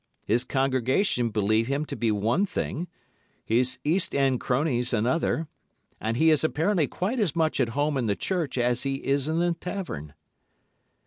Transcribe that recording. His congregation believe him to be one thing, his East End cronies another, and he is apparently quite as much at home in the church as he is in the tavern.